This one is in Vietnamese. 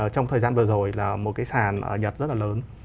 trong thời gian vừa rồi là một cái sàn nhật rất là lớn